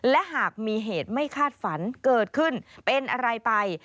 และหากมีเหตุไม่คาดฝันเกิดขึ้นเป็นอะไรไป